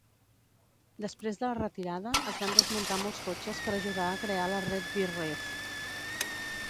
Després de la retirada, es van desmuntar molts cotxes per ajudar a crear la Redbird Reef.